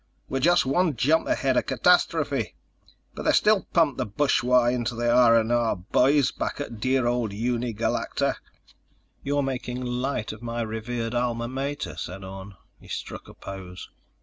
We're just one jump ahead of catastrophe, but they still pump the bushwah into the Rah & Rah boys back at dear old Uni Galacta!" "You're making light of my revered alma mater," said Orne. He struck a pose.